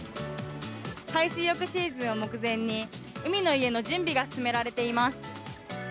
海水浴シーズンを目前に、海の家の準備が進められています。